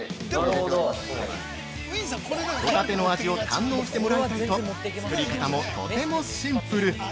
◆ほたての味を堪能してもらいたいと作り方もとてもシンプル！